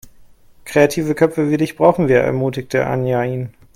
Kreative Köpfe wie dich brauchen wir, ermutigte Anja ihn.